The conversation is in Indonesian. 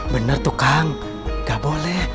bener tuh kang nggak boleh